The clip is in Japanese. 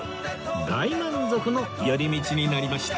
大満足の寄り道になりました